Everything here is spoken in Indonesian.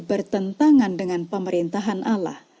bertentangan dengan pemerintahan allah